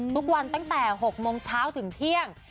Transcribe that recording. ทุกวันตั้งแต่หกโมงเช้าถึงเที่ยง